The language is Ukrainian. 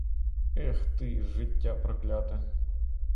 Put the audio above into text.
Ех ти, життя прокляте!